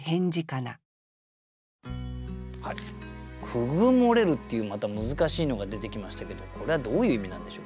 「くぐもれる」っていうまた難しいのが出てきましたけどこれはどういう意味なんでしょうか？